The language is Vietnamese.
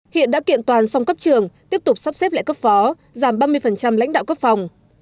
hiện đã kiện toàn xong cấp trường tiếp tục sắp xếp lại cấp phó giảm ba mươi lãnh đạo cấp phòng